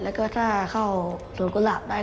แล้วก็ถ้าเข้าสวนกุหลาบได้